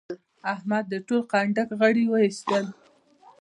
احمد د ټول کنډک غړي واېستل.